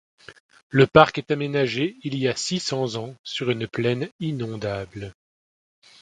Le parc est aménagé il y a six cents ans sur une plaine inondable.